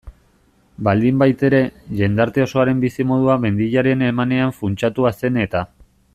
Baldinbaitere, jendarte osoaren bizimodua mendiaren emanean funtsatua zen eta.